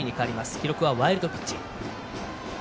記録はワイルドピッチ。